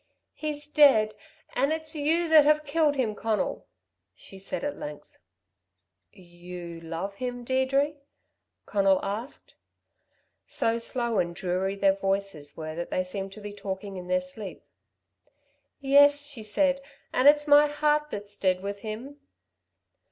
"He's dead and it's you that have killed him, Conal," she said, at length. "You love him, Deirdre?" Conal asked. So slow and dreary their voices were that they seemed to be talking in their sleep. "Yes," she said, "and it's my heart that's dead with him."